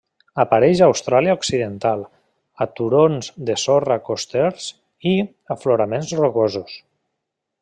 Apareix a Austràlia Occidental, a turons de sorra costers i afloraments rocosos.